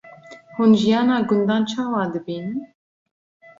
Hûn jiyana gundan çawa dibînin?